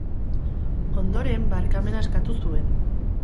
Ondoren, barkamena eskatu zuen.